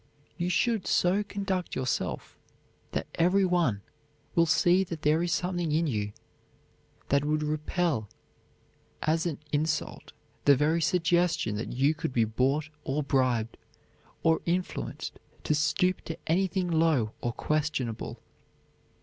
You should so conduct yourself that every one will see that there is something in you that would repel as an insult the very suggestion that you could be bought or bribed, or influenced to stoop to anything low or questionable.